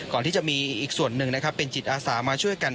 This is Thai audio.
ก่อนที่จะมีอีกส่วนหนึ่งนะครับเป็นจิตอาสามาช่วยกัน